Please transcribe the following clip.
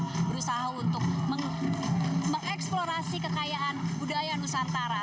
mereka berusaha untuk mengeksplorasi kekayaan budaya nusantara